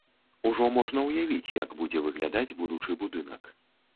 Ужо можна ўявіць, як будзе выглядаць будучы будынак.